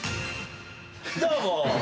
どうも！